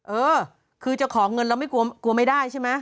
เออคือจะขอเงินเราไม่กลัวไม่ได้ใช่ไหม